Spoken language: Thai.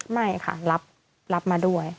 ไม่ค่ะรับมาด้วย